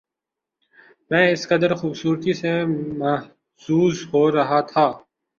میں اس قدر خوبصورتی سے محظوظ ہو رہا تھا